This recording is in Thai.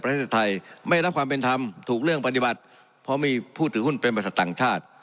ประเทศไทยไม่รับความเป็นธรรมถูกเรื่องปฏิบัติเพราะมีผู้ถือหุ้นเป็นบริษัทต่างชาติ